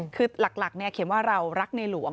คือหลักเขียนว่าเรารักในหลวง